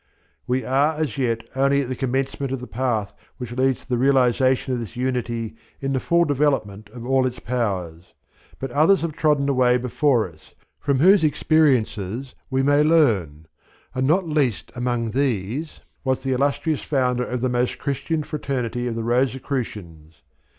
We are as yet only at the commencement of the path which leads to the realization of this unity in the full development of all its powers, but others have trodden the way before us, from whose experiences we may learn; and not least among these was the illustrious founder of the Most Christian Fraternity of the Rosicrucians.